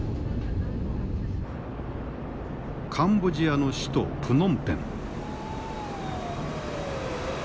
カンボジアの首都プノンペン。